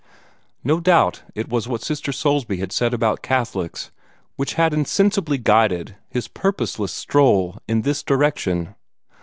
No doubt it was what Sister Soulsby had said about Catholics which had insensibly guided his purposeless stroll in this direction.